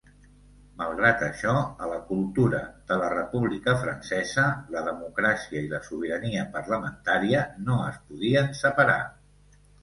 Malgrat això, a la cultura de la República Francesa la democràcia i la sobirania parlamentària no es podien separar.